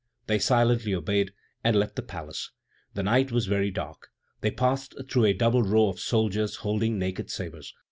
They silently obeyed, and left the palace. The night was very dark. They passed through a double row of soldiers holding naked sabres.